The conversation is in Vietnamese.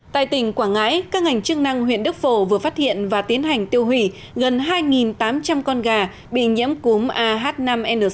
tại tỉnh quảng ngãi các ngành chức năng huyện đức phổ vừa phát hiện và tiến hành tiêu hủy gần hai tám trăm linh con gà bị nhiễm cúm ah năm n sáu